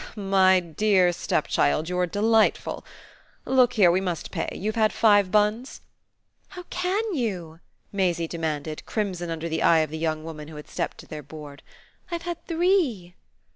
"My dear stepchild, you're delightful! Look here, we must pay. You've had five buns?" "How CAN you?" Maisie demanded, crimson under the eye of the young woman who had stepped to their board. "I've had three."